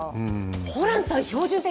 ホランさん、標準的。